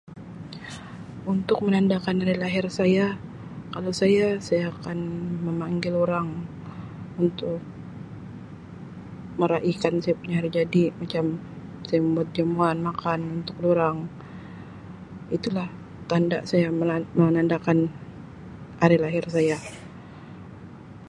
Untuk menandakan hari lahir saya, kalau saya, saya akan memanggil orang untuk meraikan saya punya hari jadi macam saya membuat jamuan makan untuk durang. Itulah tanda saya menan-menandakan ari lahir saya.